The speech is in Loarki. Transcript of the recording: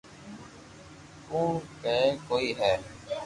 ڪوڻ ڪيرو ڪوئي ھي